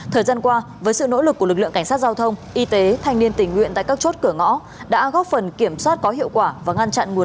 thời gian qua với sự nỗ lực của lực lượng cảnh sát giao thông y tế thanh niên tình nguyện tại các chốt cửa ngõ